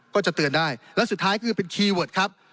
ก็จะเตือนได้และสุดท้ายคือเป็นคีย์เวิร์ดครับ